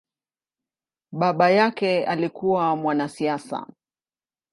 Baba yake alikua mwanasiasa.